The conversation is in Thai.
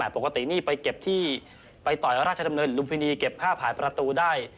ปกตินี่ไปเก็บที่ไปต่อยราชดำเนินลุมพินีเก็บค่าผ่านประตูได้